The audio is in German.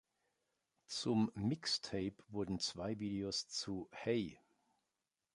Zum Mixtape wurden zwei Videos zu "Hey!